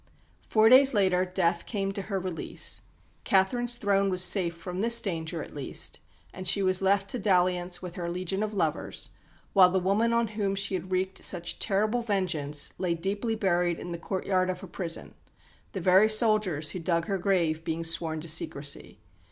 Four days later death came to her release. Catherine's throne was safe from this danger at least, and she was left to dalliance with her legion of lovers, while the woman on whom she had wreaked such terrible vengeance lay deeply buried in the courtyard of her prison, the very soldiers who dug her grave being sworn to secrecy.